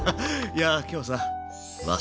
いや今日さ